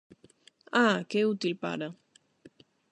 Ah, que útil para...